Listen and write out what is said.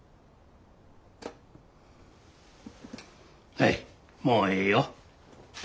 はいもうええよ。